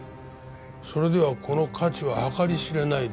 それではこの価値は計り知れないですね？